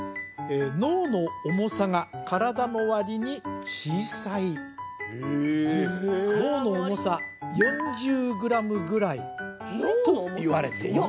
脳の重さが体の割に小さい・へえ脳の重さ４０グラムぐらいといわれています